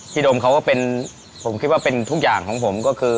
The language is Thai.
โดมเขาก็เป็นผมคิดว่าเป็นทุกอย่างของผมก็คือ